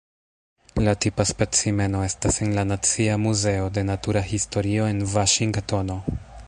La tipa specimeno estas en la Nacia Muzeo de Natura Historio en Vaŝingtono.